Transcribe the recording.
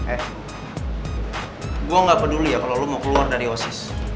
eh gue gak peduli ya kalau lo mau keluar dari osis